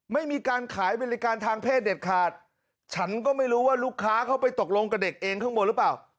ไม่มีการขายบริการทางเพศเด็ดขาดฉันก็ไม่รู้ว่าลูกค้าเขาไปตกลงกับเด็กเองข้างบนหรือเปล่า